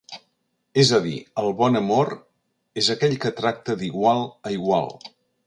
És a dir, el bon amor és aquell que tracta d’igual a igual.